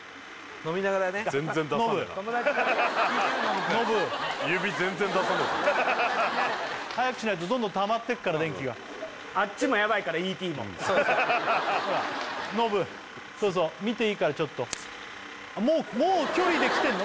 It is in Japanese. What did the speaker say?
ノブ君ノブ早くしないとどんどんたまってくから電気があっちもヤバいからＥ．Ｔ．もそうそうノブそうそう見ていいからちょっともう距離できてんの？